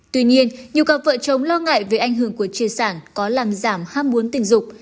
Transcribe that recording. tuy nhiên nhiều cặp vợ chồng lo ngại về ảnh hưởng của chia sản có làm giảm ham muốn tình dục